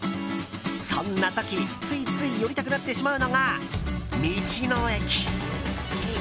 そんな時、ついつい寄りたくなってしまうのが道の駅。